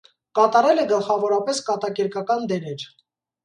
Կատարել է գլխավորապես կատակերգական դերեր։